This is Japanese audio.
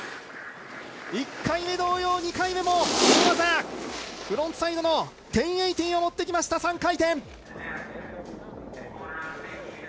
１回目同様、２回目も大技フロントサイド１０８０を持ってきました、３回転！